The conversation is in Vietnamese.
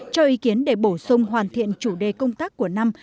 cho ý kiến để bổ sung hoàn thiện chủ đề công tác của năm